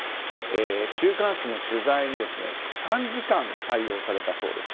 週刊誌の取材に３時間、対応されたそうです。